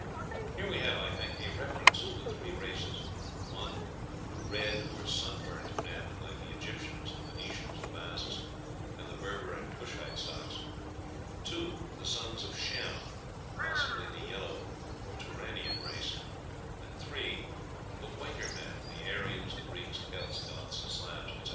Here we have, I think, a reference to the three races: 1, the red or sunburnt men, like the Egyptians, the Phoenicians, the Basques, and the Berber and Cushite stocks; 2, the sons of Shem, possibly the yellow or Turanian race; and 3, the whiter men, the Aryans, the Greeks, Kelts, Goths, Slavs, etc.